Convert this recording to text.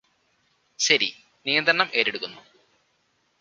ശരി നിയന്ത്രണം ഏറ്റെടുക്കുന്നു